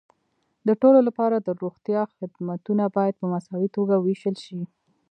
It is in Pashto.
د ټولو لپاره د روغتیا خدمتونه باید په مساوي توګه وېشل شي.